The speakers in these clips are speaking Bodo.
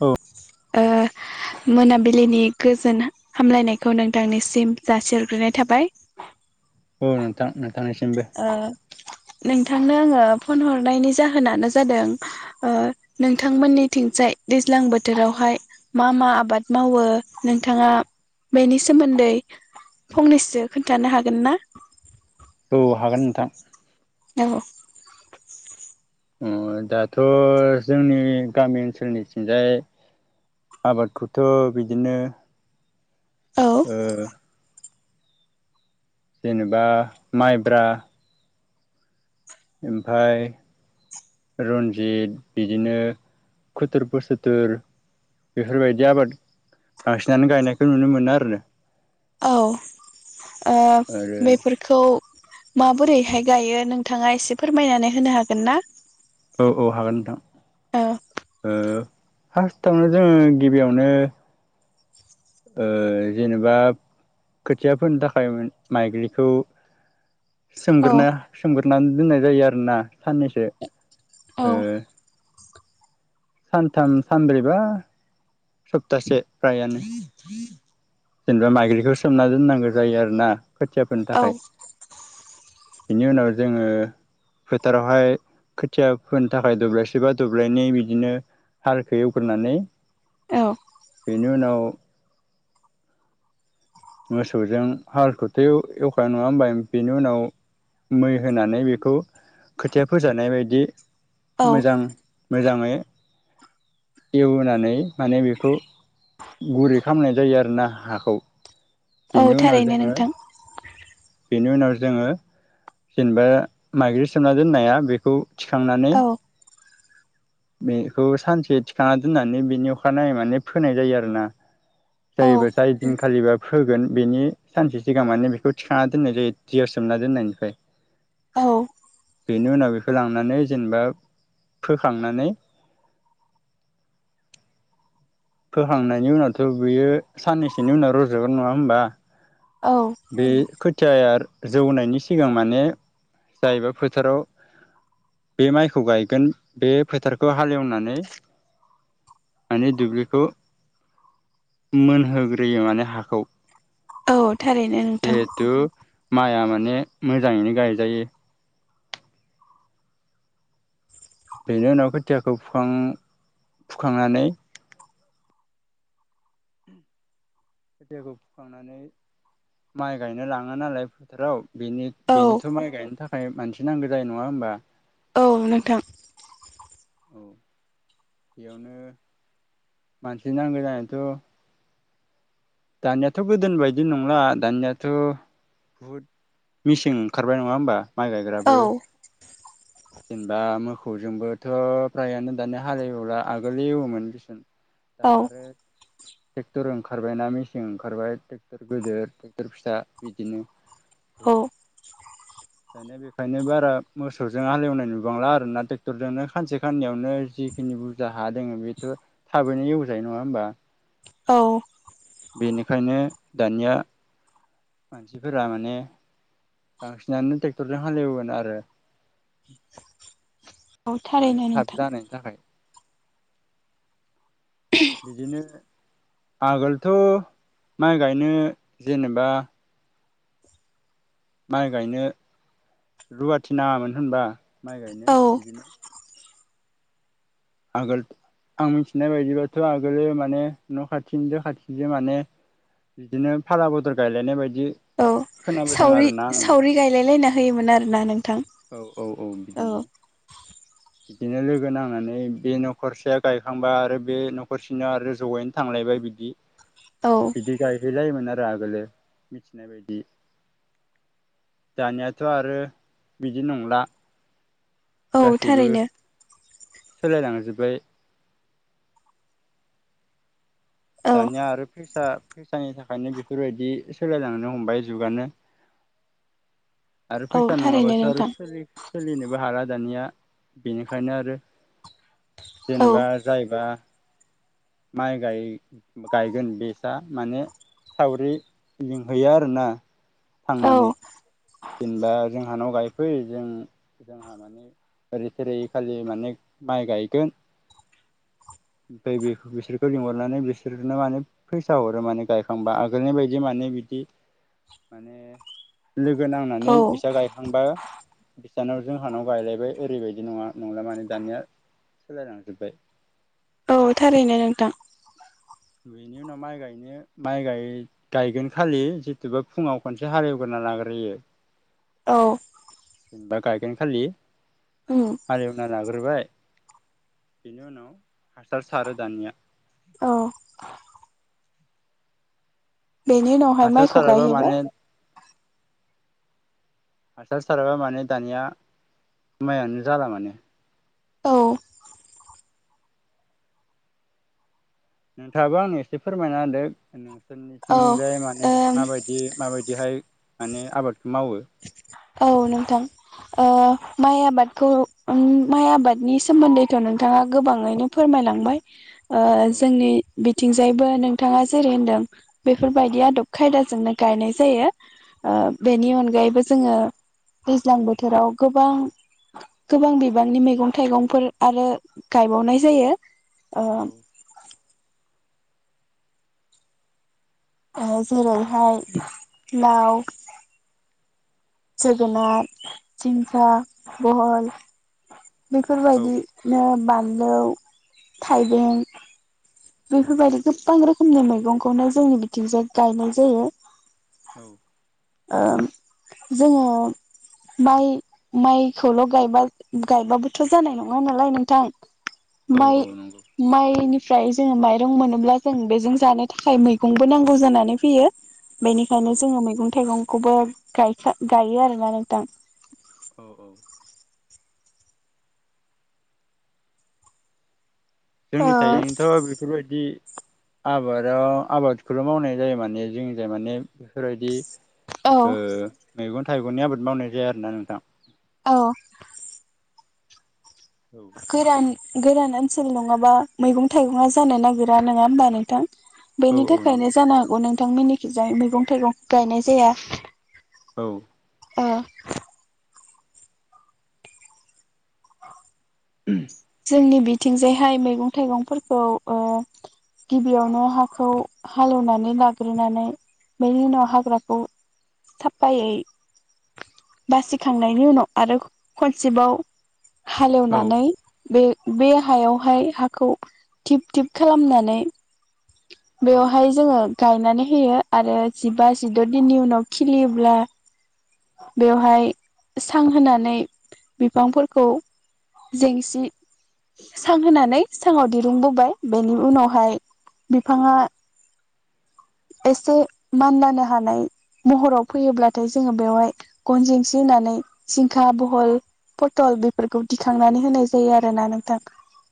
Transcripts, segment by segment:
औ ओ मोनाबिलिनि गोजोन हामलायनायखौ नोंथांनिसिम जासिहरग्रोनाय थाबाय औ नोंथां नोंथांनिसिमबो ओ नोंथांनो आङो फन हरनायनि जाहोनानो जादों ओ नोंथांमोननिथिंजाय दैज्लां बोथोरावहाय मा मा आबाद मावो नोंथाङा बेनि सोमोन्दै फंनैसो खोन्थानो हागोन ना? औ हागोन नोंथां औ ओ दाथ' जोंनि गामि ओनसोलनिथिंजाय आबादखौथ' बिदिनो औ ओ जेनेबा माइब्रा ओमफाय रन्जित बिदिनो खुथुर पुसुथुर बेफोरबायदि आबाद बांसिनानो गायनायखौ नुनो मोनो आरो औ ओ आरो बेफोरखौ माबोरैहाय गायो नोंथाङा एसे फोरमायनानै होनो हागोन ना? औ औ हागोन नोंथां। औ। ओ फार्स्टआवनो जोङो गिबियावनो ओ जेनेबा खोथियाफोरनि थाखाय माइग्खौ औ सोमग्रोहा सोमग्रोनो सोमनानै दोननाय जायो आरोना साननैसो। औ ओ सानथाम सानब्रैबा सप्तासे फ्रायानो जेनेबा माइज्लिखौ सोमना दोननांगौ जायो आरोना। खोथिया फोनो औ थाखाय। बेनि उनाव जोङो फोथारावहाय खोथिया फोनो थाखाय दब्लायसे बा दब्लायनै बिदिनो हालखौ एवग्रोनानै औ। बेनि उनाव मोसौजों हालखौथ' एवख [unintelligible] नङा होनबा बेनि उनाव मै होनानै बेखौ खोथिया फोजानाय बायदि औ मोजां मोजाङै एवनानै माने बेखौ गुरै खालामनाय जायो आरो ना हाखौ। औ बेनि उनाव थारैनो जोङो नोंथां। बेनि उनाव जोङो जेनेबा माइज्लि सोमना दोननाया बेखौ थिखांनानै औ बेखौ सानसे थिखांना दोननानै बेनि अखानायै माने फोनाय जायो आरोना। औ जायो बाथाय दिनखालि होगोन बेनि सानसे सिगां मानो बेखौ थि खांना दोननाय जायो दैयाव सोमना दोननायनिफ्राय। औ बेनि उनाव बेखौ लांनानै जेनेबा फोखांनानै फोखांनायनि उनावथ' बियो साननैसोनि उनाव रज'गोन नङा होमबा? औ बे खोथियाया जौनायनि सिगां माने जायबा फोथाराव बे माइखौ गायगोन बे फोथारखौ हालेवनानै माने दुब्लि खौ मोनहोग्रोयो माने हाखौ। औ थारैनो नोंथां। जिहेथु माइआ माने मोजाङैनो गायजायो। बेनि उनाव खोथियाखौ फुखां फुखांनानै खोथियाखौ फुखांनानै माइ गायनो लाङो नालाय फोथाराव बिनि औ बेनोथ' माइ गायनो थाख फाइभ मानसे नांगौ जायो नङा होमबा? औ नोंथां। औ बेयावनो मानसि नांगौ जानायाथ' दानियाथ' गोदोनि बायदि नंला दानियाथ' बहुद मिसिन ओंखारबाय नङा होमबा? माइ औ गायग्राबो जेनेबा मो जोंबोथ' फ्रायानो दानिया हालेवला आगोल एवोमोन देसुन दा औ आरो ट्रेक्टर ओंखारबायना मि सिन ओंखारबाय ट्रेक्टर गेदिर ट्रेक्टर फिसा बिदिनो। औ बहुद दानिया बे ओंखायनो बारा मोसौजों हालेवनाय नुबांला आरो ना ट्रेक्टरजोंनो सानसे साननैयावनो जिखिनि बुरजा हा दोङो बेथ' था थाबैनो एउ जायो नङा होनोमबा। औ। बेनिखायनो दानिया मानसिफोरा माने बांसिनानो ट्रेकटरजों हालेवगोन आरो। औ माने थारैनो थाब नोंथां। जानायनि थाखाय बिदिनो आगोलथ' माय गायनो जेनेबा माय गायनो रुवाथि नाङामोन होनबा। माय गायनो औ बिदिनो आगोल आं मिथिनाय बायदिबाथ' आगोलो माने न खाथिनिजों खाथिजों माने बिदिनो फाला बदल गायलायनाय बायदि औ खोनाबोदों सावरि आरोना आङो सावरि गायलाय लायना होयोमोन आरोना नोंथां औ औ औ। बिदिनो बिदिनो लोगो नांनानै बे नखरसेया गायखांबा आरो बे नखरसेनि आरो जयैनो थांलायबाय बिदि। औ बिदि गायहै लायो मोन आरो आगोलो मिथिनाय बायदि दानियाथ आरो बिदि नंला। औ थारैनो। सोलाय लांजोबबाय। औ दानिया आरो फैसा फैसानि थाखायनो बेफोर बायदि सोलायलांनो हमबाय जुगानो। आरो औ फैसा थारैनो नङाबाथ' आरो नोंथां सोलि सोलिनोबो हाला दानिया। बेनिखायनो आरो औ जेनेबा जायबा माय गाय गायगोन बेसा माने सावरि लिंहैयो आरोना। औ थांनानै जेनेबा जोंहानाव गाय फै जों जोंहा माने ओरै थोरै खालि माने माइ गायगोन। फै बि बिसोरखौ लिंहरनानै बिसोरनो माने फैसा हरो माने गायखांबा आगोलनि बायदि माने बिदि माने लोगो नांनानै औ बिसा गायखांबा जानाव जोंहानाव गायलायबाय ओरैबायदि नङा नंला माने दानिया सोलायलांजोबबाय। औ थारैनो नोंथां। बेनि उनाव माइ गायनो माइ गाय गायगोन खालि जितुबा फुंयाव खनसे हालेवग्रोना लाग्रोयो। औ बा गायगोन खालि उम हालेवना लाग्रोबाय। बिनि उनाव हासार सारो दानिया औ बेनि उनावहाय हासार माइखौ साराबा गायहैबाय। माने हासार साराबा माने दानिया माइयानो जाला माने। औ नोंथाङाबो आंनो एसे फोरमायना होदो [unintelligible] औ नोसोरनिथिंजाय माने ओम माबायदि माबायदिहाय माने आबादखौ मावो। औ नोंथां माइ आबादखौ माइ आबादनि सोमोन्दैथ' नोंथाङा गोबाङैनो फोरमायलांबाय। ओ जोंनि बिथिंजायबो नोंथाङा जेरै होनदों औ बेफोरबायदि आदब खायदाजोंनो गायनाय जायो बेनि अनगायैबो जोङो दैज्लां बोथोराव गोबां गोबां बिबांनि मैगं थाइगंफोर आरो गायबावनाय जायो। ओ औ ओ जेरै [unintelligible] लाव [inaudible] जोगोनार, जिंखा, बहल बेफोर औ बायदिनो [unintelligible] फानलौ, थाइबें बेफोरबायदि गोबां रोखोमनि मैगंखौनो जोंनि बिथिंजों गायनाय जायो। औ। ओ जोङो माइ माइखौल' गायबा गायबाबोथ' जानाय नङा नालाय नोंथां औ औ माइ- नंगौ माइनि ओमफ्राय जोङो माइरं मोनोब्ला जों बेजों जानो थाखाय मैगंबो नांगौ जानानै फैयो। औ बेनिखायनो जोङो मैगं थाइगंखौबो गायखा गायो आरोना नोंथां। औ औ। जोंनि ओ थाइजोंथ' बेफोरबायदि आबादाव आबादखौल' मावनाय जायो माने जोंनि जाय माने बेफोरबायदि औ ओ मैगं थाइगंनि आबाद मावनाय जाया आरोना नोंथां। औ। औ गोरान- गोरान ओनसोल नङाबा मैगं- थाइगङा जानो नागिरा नङा होमबा नोंथां? औ बेनि औ थाखायनो नंगौ जानो हागौ नों बिथांमोननिखिजों मैगं- थाइगं गायनाय जाया। औ। अ औ [unintelligible] जोंनि बि थिंजायहाय मैगं थाइगंफोरखौ ओ गिबियावनो हाखौ हालेवनानै लाग्रोनानै बेनि उनाव हाग्राखौ साफायै बासिखांनायनि उनाव आरो खनसेबाव औ हालेवनानै बे बे हायावहाय हाखौ थिब थिब खालामनानै बेवहाय जोङो गायनानै होयो आरो जिबा जिद' दिननि उनाव खिलियोब्ला बेवहाय सां होनानै बिफांफोरखौ जेंसि सां होनानै साङाव दिरुंबोबाय बेनि उनावहाय बिफाङा एसे मानलानो हानाय महराव फैयोब्लाथाय जोङो बेवहाय गन जेंसि होनानै जिंखा बहल पथल बेफोरखौ दिखांनानै होनाय जायो आरोना नोंथां।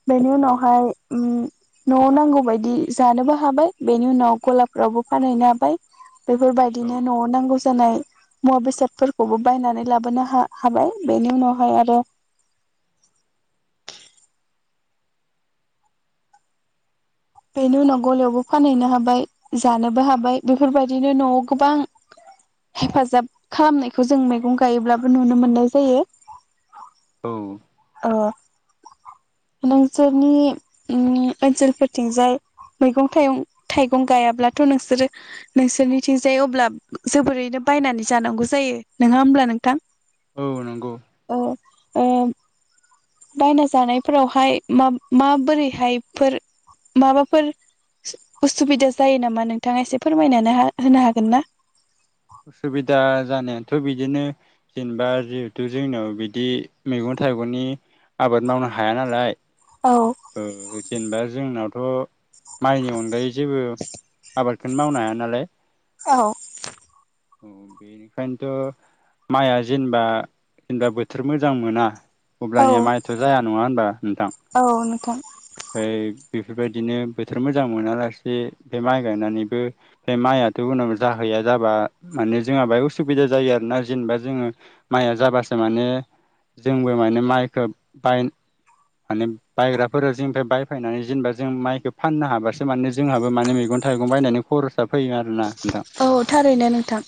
बेनि उनावहाय औ उम न'आव नांगौ बायदि जानोबो हाबाय बेनि उनाव गला फ्रावबो फानहैनो हाबाय। बेफोरबायदिनो न'आव नांगौ जानाय मुवा बेसादफोरखौबो बायनानै लाबोनो हा-हाबाय बेनि उनावहाय आरो बेनि उनाव गलायावबो फानहैनो हाबाय जानोबो हाबाय बेफोरबायदिनो न'आव गोबां हेफाजाब खालामनायखौ जों मैगं गायोब्लाबो नुनो मोननाय जायो। औ अ नोंसोरनि उम ओनसोलफोरथिंजाय मैगं थाइगं थाइगं गायाब्लाथ' नोंसोरो नोंसोरनिथिंजाय अब्ला जोबोरैनो बायनानै जानांगौ जायो नोङा ओमब्ला नोंथां? औ नंगौ। ओ ओ बायना जानायफोरावहाय मा मा बोरैहायफोर माबाफोर सु उसुबिदा जायो नामा नोंथाङा एसे फोरमायनानै हा होनो हागोन ना? उसुबिदा जानायाथ' बिदिनो जेनेबा जिहेथु जोंनियाव बिदि मैगं थाइगंनि आबाद मावनो हाया नालाय औ ओ जेनेबा जोंनावथ' माइनि अनगायै जेबो आबाद खोनो मावनो हाया नालाय। औ औ बेनिखायनोथ' माइआ जेनेबा जेनेबा बोथोर मोजां मोना औ अब्लानिया माइथ' जाया। नङा ओनबा? औ नों थां बेफोरबायदिनो बोथोर मोजां मोनालासे बे माइ गायनानैबो बे माइयाथ' उनाव जाहैया जाबा माने जोंहा बहाय उसुबिदा जायो आरोना जेनेबा जोङो माइआ जाबासो माने जोंबो माने माइखो बाय माने बायग्राफोरा जोंनि फ्राय बायफैनानै जेनबा जों माइखौ फाननो हाबासो माने जोंहाबो माने मैगं थाइगं बायनानै खरस औ थारैनो नोंथां।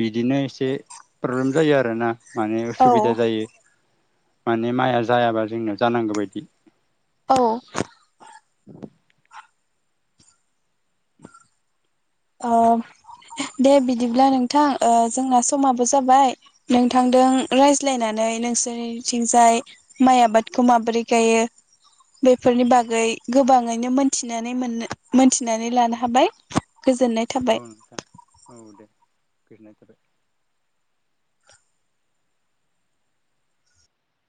बिदिनो एसे प्रब्लेम जायो आरोना माने औ उसुबिदा जायो। माने माइआ जायाबा जोंना जानांगौ बायदि औ। [inaudible] अ दे बिदिब्ला नोंथां ओ जोंना समाबो जाबाय नोंथांदों रायज्लायनानै नोंसोरनिथिंजाय माइ आबादखौ माबोरै गायो बेफोरनि बागै गोबाङैनो मोनथिनानै मोन मोनथिनानै लानो हाबाय गोजोननाय थाबाय औ नोथां औ दे। गोजोन्नाय थाबाय।